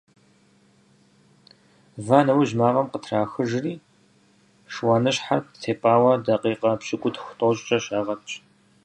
Ва нэужь, мафӀэм къытрахыжри, шыуаныщхьэр тепӀауэ дакъикъэ пщыкӏутху-тӏощӏкӏэ щагъэтщ.